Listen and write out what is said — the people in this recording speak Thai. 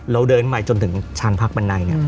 เราเดินใหม่จนถึงชานพักบันได